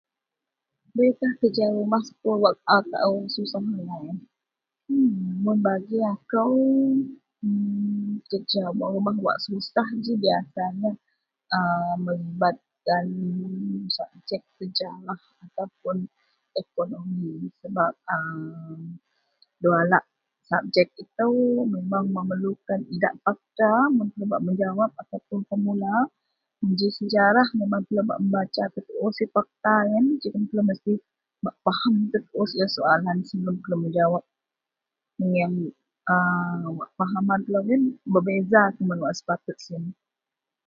Beilah kerja rumah sekul wak kaau taao susah angai, mun bagi akou, kerja rumah wak susah ji biasa siyen math, a melibatkan sabjek sejarah ataupun ekonomi sebab fua alak sabjek itou memang memerlukan idak fakta mun bak mejawap ataupun formula, ji sejarah memang telou mesti bak membaca tetuu fakta yen jegem telou mesti bak pahem tetuu siew soalan sebelum telou mejawap mengeang a pahaman telou yen bebeza kuman wak sepatut siyen